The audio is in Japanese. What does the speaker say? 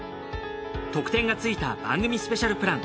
特典が付いた番組スペシャルプラン。